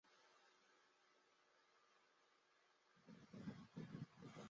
赖沙是德国巴伐利亚州的一个市镇。